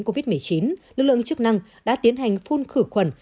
dương tính covid một mươi chín lực lượng chức năng đã tiến hành phun khử khuẩn